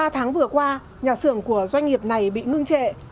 ba tháng vừa qua nhà xưởng của doanh nghiệp này bị ngưng trệ